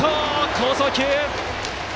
好送球！